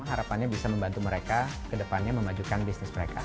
harapannya bisa membantu mereka ke depannya memajukan bisnis mereka